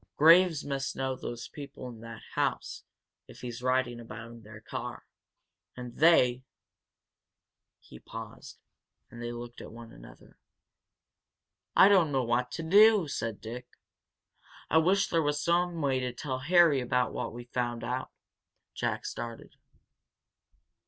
"Graves must know those people in that house, if he's riding about in their car. And they " He paused, and they looked at one another. "I don't know what to do!" said Dick. "I wish there was some way to tell Harry about what we've found out," Jack started.